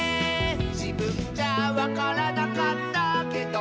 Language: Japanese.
「じぶんじゃわからなかったけど」